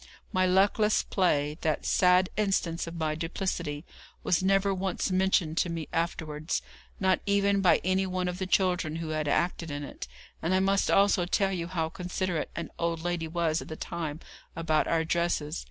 My luckless play, that sad instance of my duplicity, was never once mentioned to me afterwards, not even by any one of the children who had acted in it, and I must also tell you how considerate an old lady was at the time about our dresses.